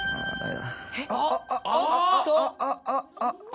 あっあっ！